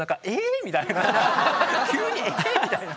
急にえ！みたいな。